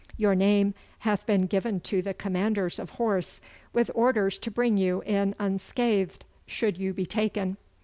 Your name hath been given to the commanders of horse, with orders to bring you in unscathed should you be taken.